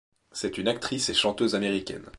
C'est une actrice et chanteuse américaine.